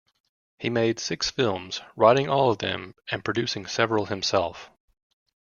He made six films, writing all of them and producing several himself.